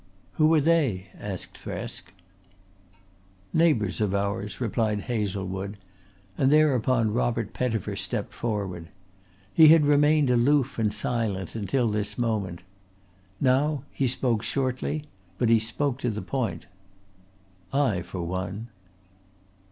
"Who are they?" asked Thresk. "Neighbours of ours," replied Hazlewood, and thereupon Robert Pettifer stepped forward. He had remained aloof and silent until this moment. Now he spoke shortly, but he spoke to the point: "I for one."